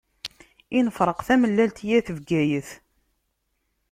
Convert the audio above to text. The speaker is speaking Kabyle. A nefṛeq tamellalt i At Bgayet.